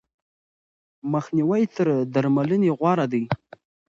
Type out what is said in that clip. مخنیوی تر درملنې غوره دی.